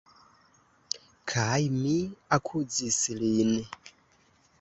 Kaj mi akuzis lin!